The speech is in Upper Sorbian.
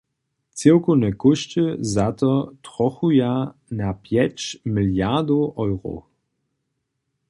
Cyłkowne kóšty za to trochuja na pjeć miliardow eurow.